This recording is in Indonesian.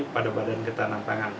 pada badan ketanam pangan